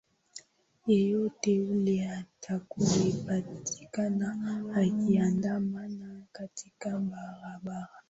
yeyote yule atakaepatikana akiandamana katika barabara